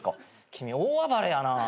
君大暴れやなぁ。